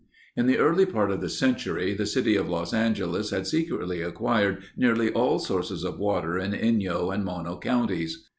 In the early part of the century, the city of Los Angeles had secretly acquired nearly all sources of water in Inyo and Mono counties.